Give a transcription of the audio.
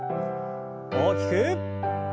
大きく。